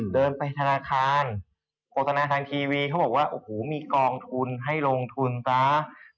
เดินไปธนาคารโฆษณาทางทีวีเขาบอกว่าโอ้โหมีกองทุนให้ลงทุนซะ